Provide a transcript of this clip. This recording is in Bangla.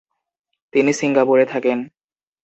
তিনি সিঙ্গাপুরে থাকেন।